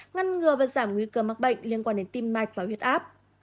ngăn ngừa và giảm nguy cơ mắc bệnh liên quan đến tim mạch và huyết áp